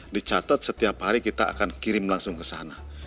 dicatat setiap hari kita akan kirim langsung ke sana